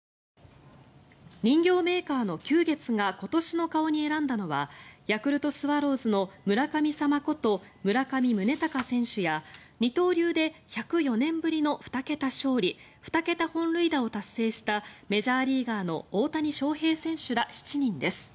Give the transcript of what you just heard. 人形メーカーの久月が今年の顔に選んだのはヤクルトスワローズの村神様こと村上宗隆選手や二刀流で１０４年ぶりの２桁勝利２桁本塁打を達成したメジャーリーガーの大谷翔平選手ら７人です。